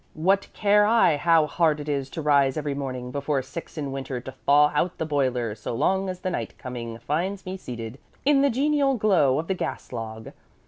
What care I how hard it is to rise every morning before six in winter to thaw out the boiler, so long as the night coming finds me seated in the genial glow of the gas log!